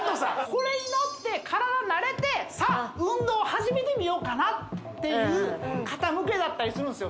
これに乗って体慣れてさあ運動を始めてみようかなっていう方向けだったりするんですよ